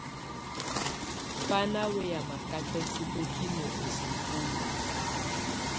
Bá ná wɛyá makátá subǝ́kinǝ isukulu.